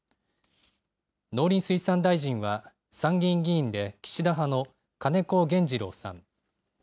農林水産大臣は参議院議員で岸田派の金子原二郎さん。